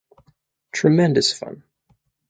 Tremendous fun.